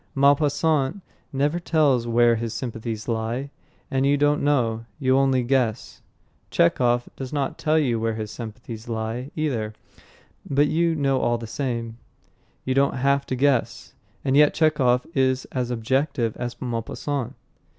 Maupassant never tells where his sympathies lie, and you don't know; you only guess. Chekhov does not tell you where his sympathies lie, either, but you know all the same; you don't have to guess. And yet Chekhov is as objective as Maupassant.